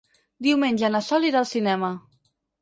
Diumenge na Sol irà al cinema.